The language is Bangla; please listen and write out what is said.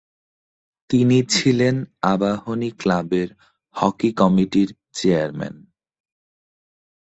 তিনি ছিলেন আবাহনী ক্লাবের হকি কমিটির চেয়ারম্যান।